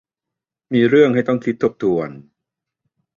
มีเรื่องให้ต้องคิดทบทวน